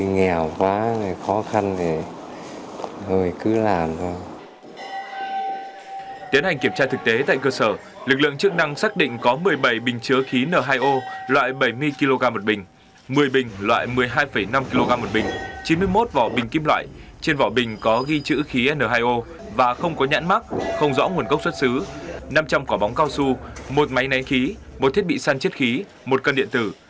n hai o loại bảy mươi kg một bình một mươi bình loại một mươi hai năm kg một bình chín mươi một vỏ bình kim loại trên vỏ bình có ghi chữ khí n hai o và không có nhãn mắc không rõ nguồn gốc xuất xứ năm trăm linh cỏ bóng cao su một máy nén khí một thiết bị săn chết khí một cân điện tử